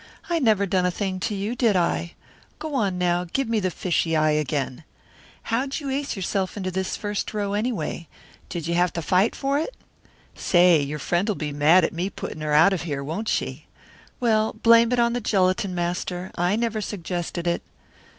I never done a thing to you, did I? Go on, now, give me the fishy eye again. How'd you ace yourself into this first row, anyway? Did you have to fight for it? Say, your friend'll be mad at me putting her out of here, won't she? Well, blame it on the gelatin master. I never suggested it.